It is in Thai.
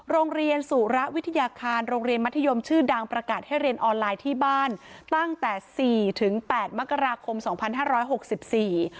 โรงเรียนสุระวิทยาคารโรงเรียนมัธยมชื่อดังประกาศให้เรียนออนไลน์ที่บ้านตั้งแต่สี่ถึงแปดมกราคมสองพันห้าร้อยหกสิบสี่